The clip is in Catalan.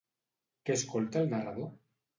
Què escolta el narrador?